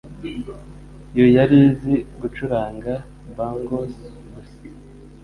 yu yari izi gucuranga bongos gusa.